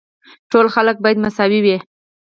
ټول خلک باید مساوي وي.